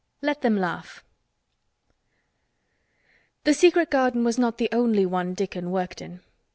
"LET THEM LAUGH" The secret garden was not the only one Dickon worked in.